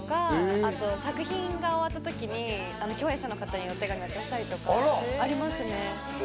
あと作品が終わった時に共演者の方にお手紙を渡したりとかありますね。